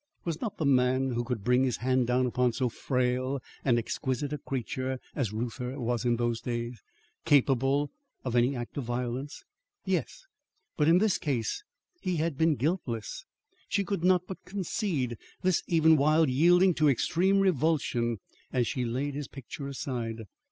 Was not the man, who could bring his hand down upon so frail and exquisite a creature as Reuther was in those days, capable of any act of violence? Yes; but in this case he had been guiltless. She could not but concede this even while yielding to extreme revulsion as she laid his picture aside.